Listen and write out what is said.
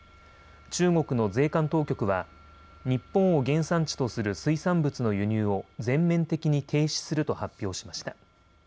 中国の税関当局は日本を原産地とする水産物の輸入を全面的に停止すると発表しました。